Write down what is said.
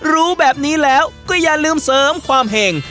รู้แบบนี้แล้วก็อย่าลืมเสริมความเห็ง